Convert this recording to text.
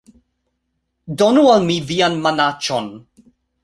Donu al mi vian manaĉon